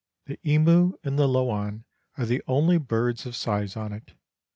The emu and the lowan are the only birds of size on it.